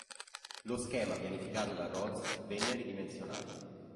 Lo schema pianificato da Rhodes venne ridimensionato.